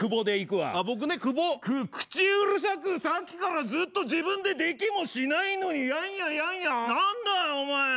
く口うるさくさっきからずっと自分でできもしないのにやんやんやんやん何だよお前。